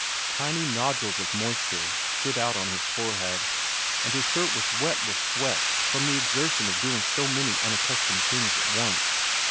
Tiny nodules of moisture stood out on his forehead, and his shirt was wet with sweat from the exertion of doing so many unaccustomed things at once.